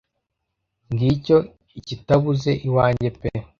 ngicyo ikitabuze iwanjye pe